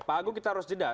pak agung kita harus jeda